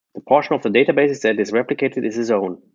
The portion of the database that is replicated is a zone.